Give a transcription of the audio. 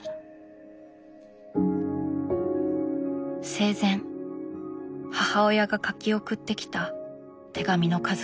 生前母親が書き送ってきた手紙の数々。